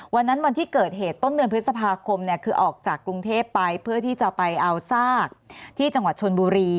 วันที่เกิดเหตุต้นเดือนพฤษภาคมคือออกจากกรุงเทพไปเพื่อที่จะไปเอาซากที่จังหวัดชนบุรี